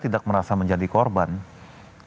mereka tertanyaan yang dibukanya